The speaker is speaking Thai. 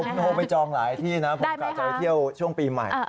โทรไปจองหลายที่นะผมกะจะไปเที่ยวช่วงปีใหม่